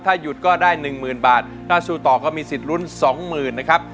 ถ้าหยุดก็ได้๑๐๐๐บาทถ้าสู้ต่อก็มีสิทธิ์ลุ้น๒๐๐๐นะครับ